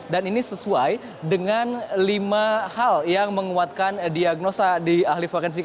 dan ini sesuai dengan lima hal yang menguatkan diagnosa di ahli forensik